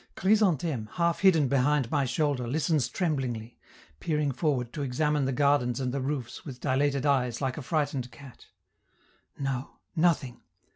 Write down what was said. Chrysantheme, half hidden behind my shoulder, listens tremblingly, peering forward to examine the gardens and the roofs with dilated eyes like a frightened cat. No, nothing!